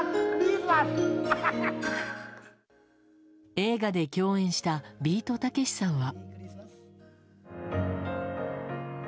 映画で共演したビートたけしさんは。